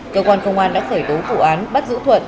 cơ quan công an đã khởi tố vụ án bắt giữ thuận